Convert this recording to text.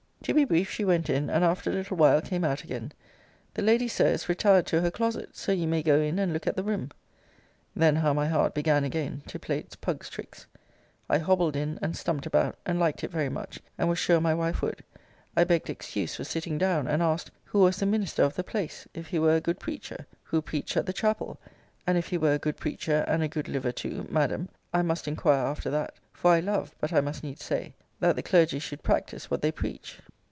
To be brief, she went in; and after a little while came out again. The lady, Sir, is retired to her closet. So you may go in and look at the room. Then how my heart began again to play its pug's tricks! I hobbled in, and stumped about, and liked it very much; and was sure my wife would. I begged excuse for sitting down, and asked, who was the minister of the place? If he were a good preacher? Who preached at the Chapel? And if he were a good preacher, and a good liver too, Madam I must inquire after that: for I love, but I must needs say, that the clergy should practise what they preach.